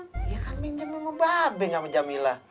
iya kan minjem sama babe gak sama jamila